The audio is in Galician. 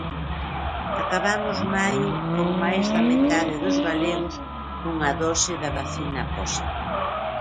Acabamos maio con máis da metade dos galegos cunha dose da vacina posta.